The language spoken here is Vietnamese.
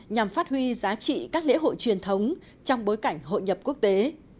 nhằm phát huy giá trị các lễ hội truyền thống trong bối cảnh hội nhập quốc tế